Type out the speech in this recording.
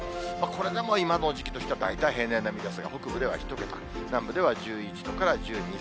これでも今の時期としては大体平年並みですが、北部では１桁、南部では１１度から１２、３度。